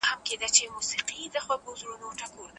علم د استدلال پر بنسټ ولاړ دی.